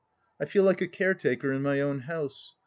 I feel like a caretaker in my own house.